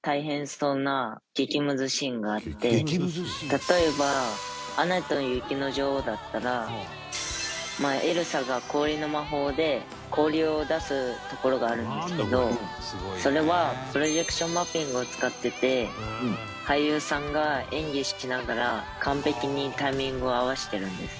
例えば『アナと雪の女王』だったらエルサが氷の魔法で氷を出すところがあるんですけどそれはプロジェクションマッピングを使ってて俳優さんが演技しながら完璧にタイミングを合わせているんです。